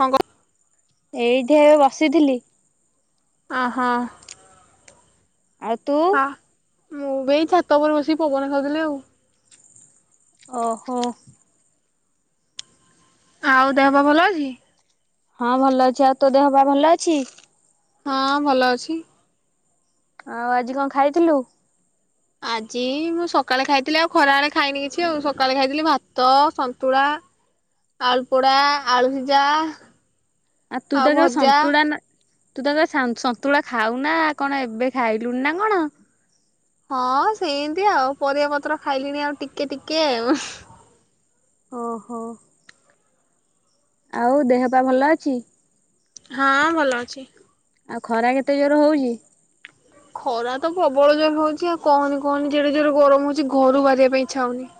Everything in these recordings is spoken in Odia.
କଣ କ ଏଇଠି ଏବେ ବସିଥିଲି। ଓ ହୋ। ଆଉ ତୁ? ମୁଁ ବି ଏଇ ଛାତ ଉପରେ ବସିକି ପବନ ଖାଉଥିଲି ଆଉ। ଓହୋ। ଆଉ ଦେହ ପା ଭଲ ଅଛି? ହଁ ଭଲ ଅଛି, ଆଉ ତୋ ଦେହ ପାହା ଭଲ ଅଛି? ହଁ ଭଲ ଅଛି। ଆଉ ଆଜି କଣ ଖାଇଥିଲୁ? ଆଜି ମୁଁ ସକାଳେ ଖାଇଥିଲି ଆଉ ଖରାବେଳେ ଖାଇନି କିଛି, ଆଉ ସକାଳେ ଖାଇଥିଲି ଭାତ, ସନ୍ତୁଳା ଆଳୁପୋଡା, ଆଳୁ ସିଜା। ଆଉ ତୁ ତ ଯୋଉ ସନ୍ତୁଳା ନ ତୁ ତେବେ ସାନୂ ସନ୍ତୁଳା ଖାଉ ନା କଣ ଏବେ ଖାଇଲୁଣି ନା କଣ? ହଁ ସେଇମିତି ଆଉ ପରିବାପତ୍ର ଖାଇଲିଣି ଆଉ ଟିକେ ଟିକେ ଉଁହୁଁ। ଓହୋ। ଆଉ ଦେହ ପା ଭଲ ଅଛି? ହଁ ଭଲ ଅଛି। ଆଉ ଖରା କେତେ ଜୋର ହଉଚି? ଖରା ତ ପ୍ରବଳ ଜୋର ହଉଚି, ଆଉ କହନି କହନି କେଡେ ଜୋର ଗରମ ହଉଚି, ଘରୁ ବାହାରିବା ପାଇଁ ଇଚ୍ଛା ହଉନି।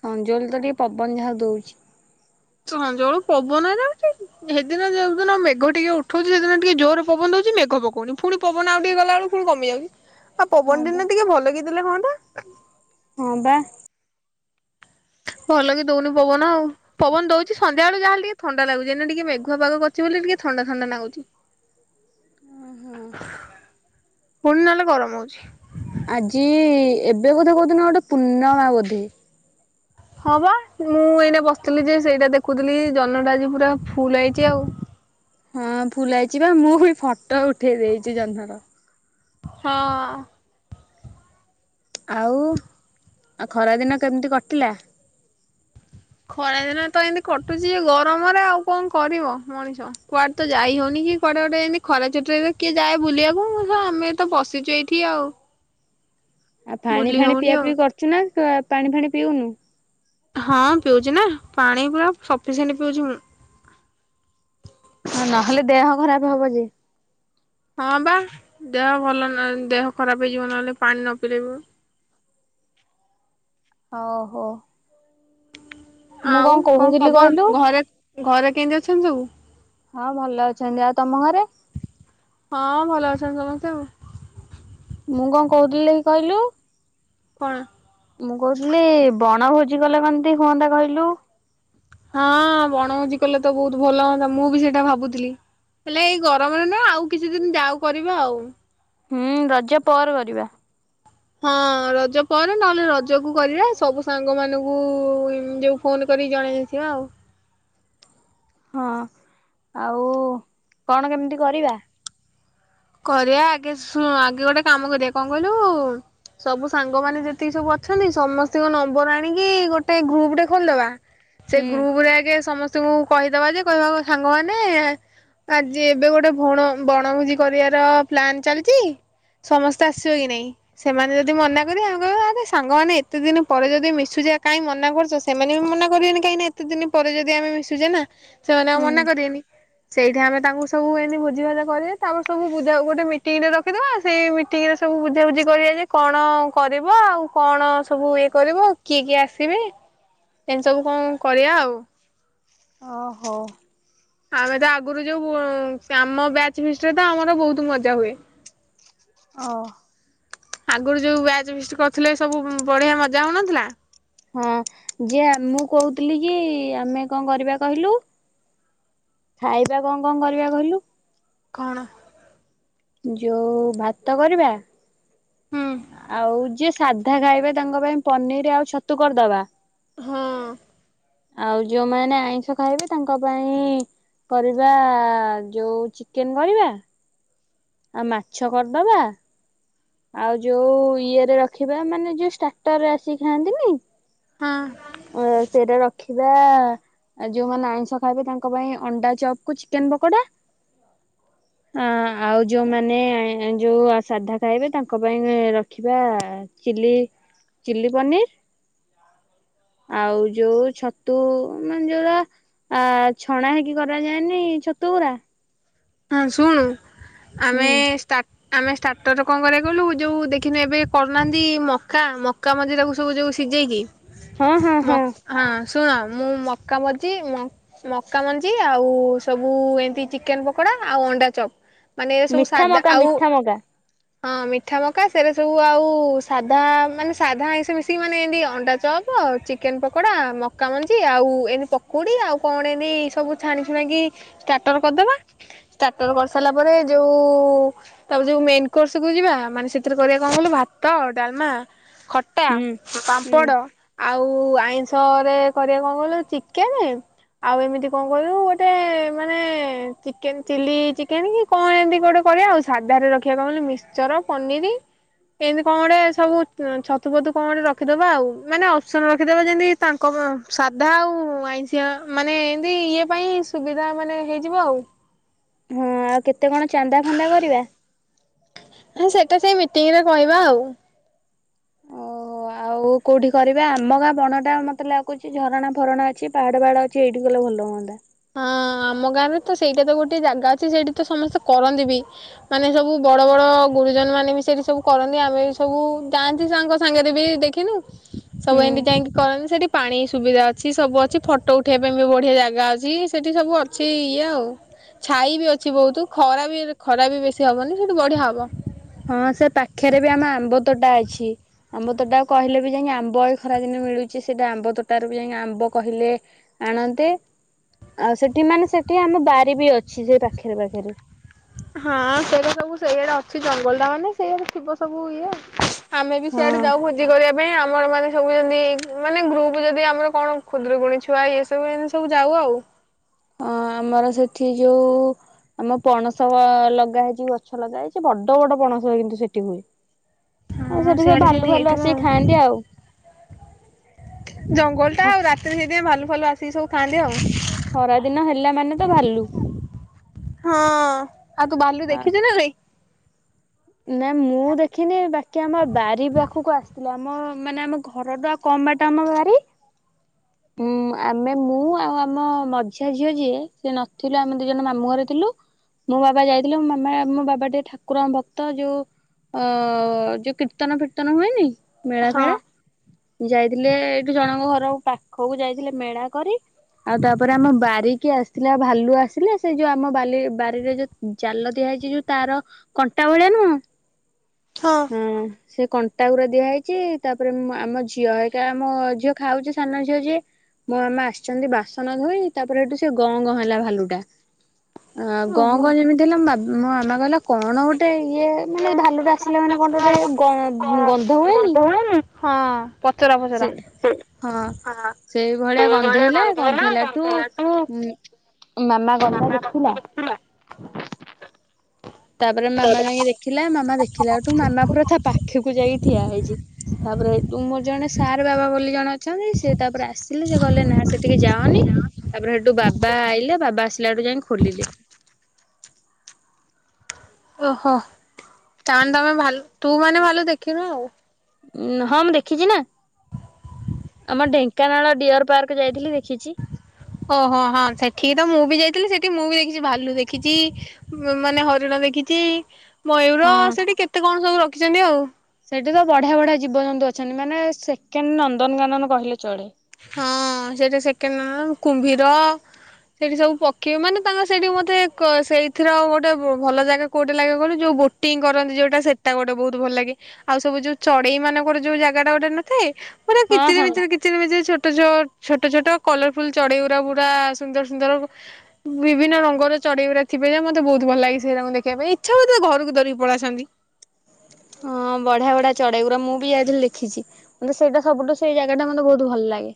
ସଞ୍ଜବେଳେ ତ ଟିକେ ପବନ ଯାହା ଦଉଚି। ସଞ୍ଜବଳୁ ପବନ ଯାଉଚି, ସେଦିନ ଯୋଉଦିନ ମେଘ ଟିକେ ଉଠଉଚି ସେଦିନ ଟିକେ ଜୋରରେ ପବନ ଦଉଚି, ମେଘ ପକଉନି, ପୁଣି ପବନ ଆଉ ଟିକେ ଗଲାବେଳକୁ ପୁଣି କମି ଯାଉଚି। ଆଉ ହଁ ପବନ ବା। ଦିନା ଟିକେ ଭଲ କି ଦେଲେ ହୁଅନ୍ତା। ହ ହଁ ବା। ଭଲ ବି ଦଉନି ପବନ ପବନ ଦଉଚି ସନ୍ଧ୍ୟାବେଳେ ଯାହା ହେେଲେ ଟିକେ ଥଣ୍ଡା ଲାଗୁଚି, ଯେ ଦିନ ଟିକେ ମେଘୁଆ ପାାଗ କରିଚି ବୋଲି ଟିକେ ଥଣ୍ଡା ଥଣ୍ଡା ନାଗୁଚି, ପୁଣି ନହେଲେ ଗରମ ହଉଛି। ଆଜି ଏବେ ବୋଧେ କୋଉଦିନ ଗୋଟେ ପୂର୍ଣ୍ଣମା ବୋଧେ। ହଁ ପା ମୁଁ ଏଇନେ ବସିଥିଲି ଯେ ସେଇଟା ଦେଖୁଥିଲି ଜହ୍ନ ଟା ଆଜି ପୁରା ଫୁଲ ଆଇଚି ଆଉ। ହଁ ଫୁଲ୍ ଆଇଚି ପା ମୁଁ ବି ଫଟୋ ଉଠେଇ ଦେଇଚି ଜହ୍ନର। ହଁ। ଆଉ ଆଉ ଖରା ଦିନ କେମିତି କଟିଲା? ଖରାଦିନ ତ ଏମିତି କଟୁଚି ଏ ଗରମରେ ଆଉ କଣ କରିବ ମଣିଷ, କୁଆଡେ ତ ଯାଇ ହଉନି, କି କୁଆଡେ ଗୋଟେ ଏମତି ଖରା ଛୁଟି ରେ ଏବେ କିଏ ଯାଏ ବୁଲିବାକୁ, ମୁଁ ସ-ଆମେ ତ ବସିିଚୁ ଏଇଠି ଆଉ। ଆଉ ଫାଣି ବୁଲି ଫାଣି ହଉନି ପିଆ ଆଉ ପିଇ କରଚୁ ନା ତୁ ଆ, ପାଣି ଫାଣି ପିଉନୁ। ହଁ ପିଉଚି ନା ପାଣି ପୁରା ସଫିସେଣ୍ଟ ପିଉଚି ମୁଁ। ହଁ ନହେଲେ ଦେହ ଖରାପ ହବ ଯେ। ହଁ ବା ଦେହ ଭଲ ନ- ଦେହ ଖରାପ ହେଇଯିବ ନହେଲେ ପାଣି ନ ପିଇଲେ ବୁ ଓହୋ। ମୁଁ ଆଉ କଣ କହୁଥିଲି କହିଲୁ ଖବର ଘରେ ଘରେ କେମିତି ଅଛନ୍ତି ସବୁ। ହଁ ଭଲ ଅଛନ୍ତି, ଆଉ ତୋମ ଘରେ? ହଁ ଭଲ ଅଛନ୍ତି ସମସ୍ତେ ଆଉ। ମୁଁ କଣ କହୁଥିଲି କି କହିଲୁ। କଣ? ମୁଁ କହୁଥିଲି ବଣ ଭୋଜି କଲେ କେମିତି ହୁଅନ୍ତା କହିଲୁ? ହଁ ବଣଭୋଜି କଲେ ତ ବହୁତ ଭଲ ହଅନ୍ତା ମୁଁ ବି ସେଟା ଭାବୁଥିଲି, ହେଲେ ଏଇ ଗରମରେ ନା ଆଉ କିଛି ଦିନ ଯାାଉ କରିବା ଆଉ। ହୁଁ ରଜ ପର କରିବା। ହଁ ରଜ ପରେ ନହେଲେ ରଜ କୁ କରିବା ସବୁ ସାଙ୍ଗ ମାନଙ୍କୁ ଉ, ଯୋଉ ଫୋନ୍ କରିକି ଜଣେଇ ଦେଇଥିବା ଆଉ। ହଁ ଆଉ କଣ କେମିତି କରିବା? କରିବା ଆଗେ ସୁ-ଆଗେ ଗୋଟେ କାମ କରିବା କଣ କହିଲୁ ସବୁ ସାଙ୍ଗ ମାନ ଯେତିକି ସବୁ ଅଛନ୍ତି ସମସ୍ତିଙ୍କ ନମ୍ବର ଆଣିକି ଗୋଟେ ଗ୍ରୁପ ଟେ ଖୋଲିଦବା। ସେ ହୁଁ ଗ୍ରୁପ ରେ ଆଗେ ସମସ୍ ତୁ କହିଦବା ଯେ କହିବା ଗୋ-ସାଙ୍ଗମାନେ ଆଜି ଏବେ ଗୋଟେ ଭଣ ବଣଭୁଜି କରିବାର ପ୍ଲାନ୍ ଚାଲିଚି, ସମସ୍ତେ ଆସିବ କି ନାଇଁ? ସେମାନେ ଯଦି ମନା କରିବେ, ଆମ କହିବା ଆରେ ସାଙ୍ଗମାନେ ଏତେ ଦିନ ପରେ ଯଦି ମିଶୁଚେ, ଆ, କାଇଁ ମନା କରୁଚ, ସେମାନେ ବି ମନା କରିବେନି କାହିଁକିନା ଏତେ ଦିନ ପରେ ଯଦି ଆମେ ମିଶୁଚେ ନା। ସେମାନେ ଆଉ ହୁଁ ମନା କରିବେନି। ସେଇଠି ଆମେ ତାଙ୍କୁ ସବୁ ଏନି ଭୁଜି ଭାତ କରିବେ। ତ ଆମ ସବୁ ବୁଝା ଗୋଟେ ମିଟିଙ୍ଗରେ ରଖିଦବା ସେଇ ତାପରେ ସବୁ ବୁଝାଉ, ଗୋଟେ ମିଟିଙ୍ଗ ଟେ ରଖିଦବା, ସେଇ ମିଟିଙ୍ଗ ରେ ସବୁ ବୁଝାବୁଝି କରିବା ଯେ କଣ କରିବ? ଆଉ କଣ ସବୁ ଇଏ କରିବ? କିଏ କିଏ ଆସିବେ? ଏମିତି ସବୁ କଣ କରିବା ଆଉ। ଓହୋ। ଆମେ ତ ଆଗରୁ ଯୋଉ ଅଁ, ଆମ ବ୍ୟାଚ ଫିଷ୍ଟ ରେ ତ ଆମର ବହୁତ ମଜା ହୁଏ। ଓ। ଆଗରୁ ଯୋଉ ବ୍ୟାଚ୍ ଫିଷ୍ଟ କରିଥୁଲେ ସବୁ ବଢିଆ ମଜା ହଉନଥିଲା। ହଁ ଯିଏ ମୁଁ କହୁଥିଲି କି ଆମେ କଣ କରିବା କହିଲୁ ଖାଇବା କଣ କଣ କରିବା କହିଲୁ? କଣ? ଯୋଉ ଭାତ କରିବା। ହୁଁ ଆଉ ଯେ ସାଧା ଖାଇବେ ତାଙ୍କ ପାଇଁ ପନିର୍ ଆଉ ଛତୁ କରିଦବା। ହଁ। ଆଉ ଯୋଉମାନେ ଆଇଁଷ ଖାଇବେ ତାଙ୍କ ପାଇଁ କରିବା ଯୋଉ ଚିକେନ୍ କରିବା। ଆଉ ମାଛ କରଦବା। ଆଉ ଯୋଉ ଇଏରେ ରଖିବା ମାନେ ଯୋଉ ଷ୍ଟାଟର୍ ରେ ଆସି ଖାଆନ୍ତିନି। ହଁ ଅ, ସେଇଟା ର ଖିବା ଓ ଯୋଉମାନେ ଆଇଁଷ ଖାଇବେ ତାଙ୍କ ପାଇଁ ଅଣ୍ଡା ଚପ୍ କୁ ଚିକେନ୍ ପକୋଡା, ଅଁ, ଆଉ ଯୋଉମାନେ ଏଁ ଯୋଉ ସାଧା ଖାଇବେ ତାଙ୍କ ପାଇଁ ଏଁ, ରଖିବା ଚିଲି ଚିଲି ପନିର୍ ଆଉ ଯୋଉ ଛତୁ ମାନେ ଯୋଉାରା ଆ, ଛଣା ହେଇକି କରାଯାଏନି ଛତୁ ଗୁରା। ହଁ ଶୁଣୁ। ଆମେ ହୁଁ ଷ୍ଟା ଆମେ ଷ୍ଟାର୍ଟରରେ କଣ କରିବା କହିଲୁ ଯୋଉ ଦେଖିନୁ ଏବେ କରୁନାହାନ୍ତି ମକା ମକା ମଞ୍ଜି ତାକୁ ସବୁ ଯୋଉ ସିଜେଇକି ହଁ ହଁ ମକ୍ ହଁ। ଶୁଣ ମୁଁ ମକା ମଞ୍ଜି ମକ୍ ମକା ମଞ୍ଜି ଆଉ ସବୁ ଏମିତି ଚିକେନ ପକ୍ କଡା ଆଉ ଅଣ୍ଡା ଚପ୍। ମିଠା ସାଧା ମକା ଆଉ ମିଠା ମକା। ହଁ ମିଠା ମକା ସେରା ସବୁ ଆଉ ସାଧା ମାନେ ସାଧା ଆଇଁଷ ମିଶିକି ମାନେ ଏତି ଅଣ୍ଡା ଚପ ଚିକେନ ପକୋଡା ମକା ମଞ୍ଜି ଆଉ ଏମିତି ପକୁଡି ଆଉ କଣ ଏମିତି ସବୁ ଛାଣି ଛୁଣିକି ଷ୍ଟାର୍ଟର କରିଦବା। ଷ୍ଟାର୍ଟର କରିସାରିଲା ପରେ ଯୋଉ ତାପରେ ଯୋଉ ମେନ କୋର୍ସ କୁ ଯିବା ମାନେ ସେଥିରେ କରିବା କଣ କହିଲୁ ଭାତ, ଡାଲମା ଖଟା ହୁଁ ହୁଁ। ପାମ୍ପଡ଼ ଆଉ ଆଉ ଆଇଁଷ ରେ କରିବା କଣ କହିଲୁ ଚିକେନ ଆଉ ଏମିତି କଣ କହିଲୁ ଗୋଟେ ମାନେ ଚିକେନ ଚିଲ୍ଲି ଚିକେନ କି କଣ ଏମିତି ଗୋଟେ କରିବା ଆଉ ସାଧରେ ରଖିବା କଣ କହିଲୁ ମିକ୍ଚର ପନିରି ଏମିତି କଣ ଗୋଟେ ସବୁ ଛତୁ ଫତୁ କଣ ଗୋଟେ ରଖିଦବା ଆଉ ମାନେ ଅପସନ ରଖିଦବା ଯେମତି ତାଙ୍କ ସାଧା ଆଉ ଆଇଁଷିଆ ମାନେ ଏମିତି ଇଏ ପାଇଁ ସୁବିଧା ମାନେ ହେଇଯିବ ଆଉ। ହଁ ଆଉ କେତେ କଣ ଚାନ୍ଦା ଫାନ୍ଦା କରିବା? ସେଇଟା ସେ ମିଟିଂରେ କହିବା ଆଉ। ଓହୋ ଆଉ କୋଉଠି କରିବା ଆମ ଗାଁ ବଣ ଟା ମତେ ଲାଗୁଛି ଝରଣା ଫରଣା ଅଛି ପାହାଡ ପାହାଡ ଅଛି ଏଇଠି କଲେ ଭଲ ହୁଅନ୍ତା। ହଁ ଆମ ଗାଁରେ ତ ସେଇଟା ତ ଗୋଟେ ଜାଗା ଅଛି ସେଇଠି ତ ସମସ୍ତେ କରନ୍ତି ବି ମାନେ ସବୁ ବଡ ବଡ ଗୁରୁଜନ ମାନେ ବି ସେଇଠି ସବୁ କରନ୍ତି ଆମେ ସବୁ ଯାଆନ୍ତି ତାଙ୍କ ସାଙ୍ଗରେ ବି ଦେଖିନୁ? ସବୁ ହୁଁ ଏମିତି ଯାଇକି କରନ୍ତି ସେଠି ପାଣି ସୁବିଧା ଅଛି ସବୁ ଅଛି ଫଟୋ ଉଠେଇବା ପାଇଁ ବି ବଢିଆ ଜାଗା ଅ ଯ ସେଠି ସବୁ ଅଛି ଇଏ ଆଉ ଛାଇ ବି ଅଛି ବହୁତ ଖରା ବି ଖରା ବି ବେଶୀ ହବନି ସେଠୁ ବଢିଆ ହବ। ହଁ ସେ ପାଖରେ ବି ଆମ ଆମ୍ବ ତୋଟା ଅଛି ଆମ୍ବ ତୋଟା କହିଲେ ବି ଯାଇକି ଆମ୍ବ ଏ ଖରା ଦିନେ ମିଳୁଛି ସେଇଟା ଆମ୍ବ ତୋଟାରୁ ବି ଯାଇକି ଆମ୍ବ କହିଲେ ଆଣନ୍ତେ ଆଉ ସେଠି ମାନେ ସେଠି ଆମ ବାରି ବି ଅଛି ସେଇ ପାଖରେ ପାଖରେ। ହଁ ସେଟା ସବୁ ସେଇଆଡା ଅଛି ଜଙ୍ଗଲ ଟା ମାନେ ସେଇଆଡ ଥିବ ସବୁ ଇଏ ଆଉ। ଆମେ ବି ହଁ। ସେଇଆଡେ ଯାଉ ଭୋଜି କରିବା ପାଇଁ। ମାନେ ସବୁ ଯେମିତି ମାନେ ଗ୍ରୁପ ଯଦି ଆମର କଣ ଖୁଦୁରୁକୁଣୀ ଛୁଆ ଏ ସବୁଏମିତି ସବୁ ଯାଉ ଆଉ। ହଁ ଆମର ସେଠି ଯୋଉ ଆମ ପଣସ ଲଗା ହେଇଛି ଗଛ ଲଗା ହେଇଛି ବଡ ବଡ ପଣସ କିନ୍ତୁ ସେଠି ହୁଏ। ଆଉ ହଁ ସେଠି ସବୁ ସିଆଡେ ସେମିତି ଭାଲୁ ଭାଲ ହେଇଥିବ ଆଉ ଆସିକି ଖାଆନ୍ତି ଆଉ। ଜଙ୍ଗଲ ଟା ଆଉ ରାତିରେ ହେଇଥିପାଇଁ ଭାଲୁ ଭଲ ଆସିକି ସବୁ ଖାଆନ୍ତି ଆଉ। ଖରା ଦିନ ହେଲା ମାନେ ତ ଭାଲୁ। ହଁ। ଆଉ ତୁ ଭାଲୁ ଦେଖିଚୁ ନା ନାଇଁ? ନା ମୁଁ ଦେଖିନି ବା କି ଆମ ବାରି ପାଖକୁ ଆସିଥିଲା। ଆମ ମାନେ ଆମ ଘର ଟା ଆଉ କମ୍ ବାଟ ଆମ ବାରି। ହୁଁ ଆମେ ମୁଁ ଆଉ ଆମ ମଝିଆ ଝିଅ ଯିଏ ସେ ନଥିଲୁ ଆମେ ଦି ଜଣ ମାମୁଁ ଘରେ ଥିଲୁ ମୋ ବାବା ଯାଇଥିଲେ ମୋ ମାମା ମୋ ବାବା ଟେ ଠାକୁର ଙ୍କ ଭକ୍ତ ଯୋଉ ଅ ଯୋଉ କୀର୍ତ୍ତନ ଫୀର୍ତ୍ତନ ହୁଏନି ମେଳା ହଁ ଫେଳା ଯାଇଥିଲେ ଏଇଠୁ ଜଣଙ୍କ ଘରକୁ ପା ଖକୁ ଯାଇଥିଲେ ମେଳା କରି ଆଉ ତାପରେ ଆମ ବାରିକି ଆସିଥିଲା ଭାଲୁ ଆସିଲା ସେ ଯୋଉ ଆମ ବାରିରେ ଯୋଉ ଜାଲ ଦିଆ ହୋଇଛି ଯୋଉ ତାର କଣ୍ଟା ଭଳିଆ ନୁହୁଁ ହଁ। ହୁଁ। ସେ କଣ୍ଟାଗୁରା ଦିଆହେଇଛି ତାପରେ ଆମ ଝିଅ ହାରିକା ଆମ ଝିଅ ଖାଉଛି ସାନ ଝିଅ ଯିଏ ମୋ ମାମା ଆସିଛନ୍ତି ବାସନ ଧୋଇ ତାପରେ ସେଠୁ ସେ ଗଁ ଗଁ ହେଲା ଭାଲୁଟା। ଆ ଗାଁ ଓହୋ। ଗାଁ ଯେମିତି ହେଲା ମୋ ବା ମୋ ମାମା କଇଲା କଣ ଗୋଟେ ଇଏ ମାନେ ଭାଲୁ ଟ ଆସିଲେ ମାନେ କଣ ଗୋଟେ ଗନ୍ଧ ହୁଏନି? ହଁ ପଚରା ସେ ପଚରା। ହଁ ସେଇ ଭଳିଆ ଗନ୍ଧେଇଲା ଗନ୍ଧେଇଲାଠୁ ଉ ମାମା ଗଲା ବାପା ଦେଖିଲା। ଦେଖିଥିଲା ତାପରେ ମାମା ଯାଇକି ଦେଖିଲା ମାମା ଦେଖିଲା ଠୁ ମାମା ପୁରା ତା ପାଖକୁ ଯାଇକି ଠିଆ ହେଇଛି ତାପରେ ତୁ ମୋର ଜଣେ ସାର୍ ବାବା ବୋଲି ଜଣେ ଅଛନ୍ତି ସେ ତାପରେ ଆସିଲେ ସେ କହିଲେ ନା ସେଠିକି ଯାଅନି ତାପରେ ସେଠୁ ବାବା ଆଇଲେ ବାବା ଆସ ଲାଠୁ ଯାଇକି ଖୋଲିଲେ। ଓହୋ ତାମାନେ ତମେ ଭଲ ତୁ ମାନେ ଭାଲୁ ଦେଖିନୁ ଆଉ। ଉ ହଁ ମୁଁ ଦେଖିଛି ନା ଆମ ଢେଙ୍କାନାଳ ଡିଅର ପାର୍କ ଯାଇଥିଲି ଦେଖିଛି। ଓହୋ ହଁ ସେଠିକି ତ ମୁଁ ବି ଯାଇଥିଲି ସେଠି ମୁଁ ବି ଦେଖିଛି ଭାଲୁ ଦେଖିଛି ମାନେ ହରିଣ ଦେଖିଛି। ହଁ। ମୟୂର ସେଠି କେତେ କଣ ସବୁ ରଖ ଦେଖିଛନ୍ତି ଆଉ। ସେଠି ତ ବଢିଆ ବଢିଆ ଜୀବଜନ୍ତୁ ଅଛନ୍ତି ମାନେ ସେକେଣ୍ଡ ନନ୍ଦନକାନନ କହିଲେ ଚଳେ ହଁ ସେଇଟା ସେକେଣ୍ଡ ନନ୍ଦନ କୁମ୍ଭୀର ସେଠି ସବୁ ପଖୀ ମାନେ ତାଙ୍କର ସେଇଠି ମତେ ସେଇଥିର ଗୋଟେ ଭଲ ଜାଗା କୋଉଟା ଲାଗେ କହିଲୁ ଯୋଉ ବୋଟିଂ କରନ୍ତି ଯୋଉଟା ସେଟା ଗୋଟେ ବହୁତ ଭଲ ଲାଗେ ଆଉ ସବୁ ଯୋଉ ଚଢେଇ ମାନଙ୍କର ଯୋଉ ଜାଗା ଟା ଗୋଟେ ନଥାଏ? ପୁରା ହଁ ହଁ। କିଚିରିମିଚିର କିଚିରମିଚିର ଛୋଟ ଛୋଟ ଛୋଟ କଲରଫୁଲ ଚଢେଇଗୁରା ପୁରା ସୁନ୍ଦର ସୁନ୍ଦର ବିଭିନ୍ନ ରଙ୍ଗର ଚଢେଇଗୁରା ଥିବେ ଯେ ମତେ ବହୁତ ଭଲ ଲାଗେ ସେଇରାଙ୍କୁ ଦେଖିବାପାଇଁ ଇଛା ହୋଉଥିବା ଘରକୁ ଧରିକି ପଳେଇଆସନ୍ତି। ହଁ ବଢିଆ ବଢିଆ ଚଢେଇଗୁରା ମୁଁ ବି ଯାଇଥିଲି ଦେଖିଛି ମତେ ସେଇଟା ସବୁଠୁ ସେ ଜାଗା ଟା ମତେ ବହୁତ ଭଲ ଲାଗେ।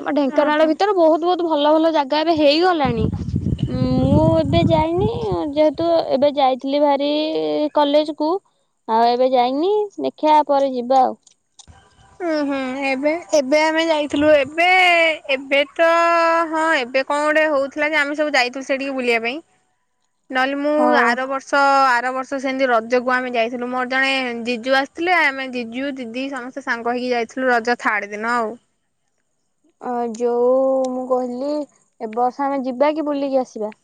ଆମ ଢେଙ୍କାନାଳ ଭିତରେ ବହୁତ ବହୁତ ଭଲ ଭଲ ଜାଗା ଏବେ ହେଇଗଲାଣି ମୁଁ ଏବେ ଯାଇନି ଯେହେତୁ ଏବେ ଯାଇଥିଲି ଭାରି କଲେଜ କୁ ଆଉ ଏବେ ଯାଇନି ଦେଖିବା ପରେ ଯିବା ଆଉ। ହୁଁ ହୁଁ ଏବେ ଏବେ ଆମେ ଯାଇଥିଲୁ ଏବେ ଏବେ ତ ହଁ ଏବେ କଣ ଗୋଟେ ହଉଥିଲା କି ଆମେ ସବୁ ଯାଇଥିଲୁ ସେଠିକି ବୁଲିବା ପାଇଁ। ନହେଲେ ମୁଁ ଆଉ। ଆର ବର୍ଷ ଆର ବର୍ଷ ସେମିତି ରଜକୁୁ ଆମେ ଯାଇଥିଲୁ ମୋର ଜଣେ ଜିଜୁ ଆସିଥିଲେ ଆମେ ଜିଜୁ ଦି ସମସ୍ତେ ସାଙ୍ଗ ହେଇକି ଯାଇଥିଲୁ ରଜ ଥାଡ ଦିନ ଆଉ। ଅ ଯୋଉ ମୁଁ କହିଲି ଏବର୍ଷ ଆମେ ଯିବା କି ବୁଲିକି ଆସିବା।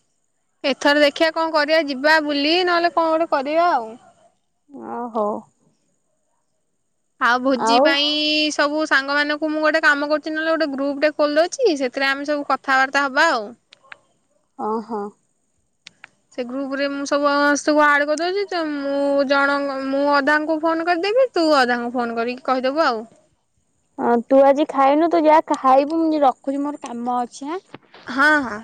ଏଥର ଦେଖିବା କଣ କରିବା ଯିବା ବୁଲି ନହେଲେ କଣ ଗୋଟେ କରିବା ଆଉ। ଓ ହୋ। ଆଉ ଭୋଜି ପାଇଁ ସବୁ ସାଙ୍ଗମାନଙ୍କୁ ମୁଁ ଗୋଟେ କାମ କରୁଛି ନହେଲେ ଗୋଟେ ଗ୍ରୁପ ଟେ ଖୋଲିଦଉଛି ସେଥିରେ ଆମେ ସବୁ କଥାବାର୍ତ୍ତା ହବା ଆଉ। ଓ ହୋ। ସେ ଗ୍ରୁପ ରେ ମୁଁ ସବୁ ସମସ୍ତଙ୍କୁ ଆଡ କରିଦଉଛି ତ ମୁଁ ଜଣ ମୁଁ ଅଧାଙ୍କୁ ଫୋନ କରିଦେବି ତୁ ଅଧାଙ୍କୁ ଫୋନ କରିକି କହିଦବୁ ଆଉ। ହଁ ତୁ ଆଜି ଖାଇନୁ ତୁ ଯାହା ଖାଇବୁ ମୁଁ ରଖୁଛି ମୋର କାମ ଅଛିଁ। ହଁ ହଁ।